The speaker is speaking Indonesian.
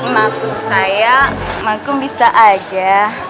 maksud saya mangkum bisa aja